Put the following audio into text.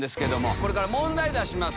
これから問題出します。